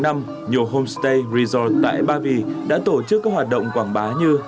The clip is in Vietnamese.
năm nhiều homestay resort tại ba vì đã tổ chức các hoạt động quảng bá như